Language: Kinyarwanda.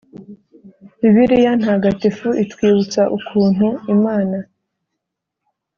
-bibiliya ntagatifu itwibutsa ukuntu imana